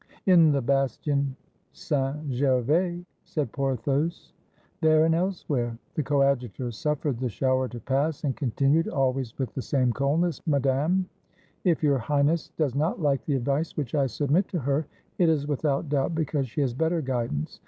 "In the bastion St. Gervais," said Porthos. "There and elsewhere." The Coadjutor suffered the shower to pass, and con tinued, always with the same coldness, "Madame, if 261 FRANCE Your Highness does not like the advice which I submit to her, it is without doubt because she has better guid ance.